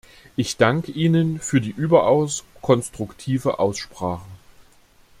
Ich danke Ihnen für die überaus konstruktive Aussprache.